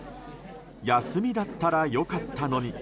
休みだったら良かったのに。